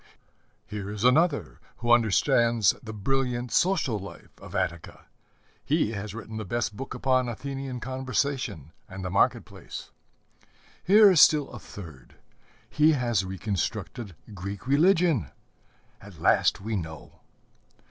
Here is another who understands the brilliant social life of Attica: he has written the best book upon Athenian conversation and the market place. Here is still a third: he has reconstructed Greek religion: at last we know!